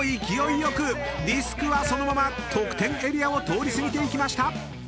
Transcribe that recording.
勢いよくディスクはそのまま得点エリアを通り過ぎていきました！］